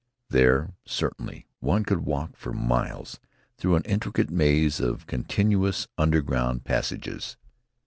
There, certainly, one could walk for miles, through an intricate maze of continuous underground passages.